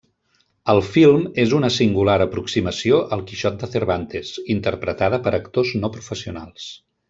El film és una singular aproximació al Quixot de Cervantes, interpretada per actors no professionals.